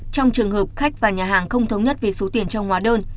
trong trường hợp khách và nhà hàng không thống nhất về số tiền trong hóa đơn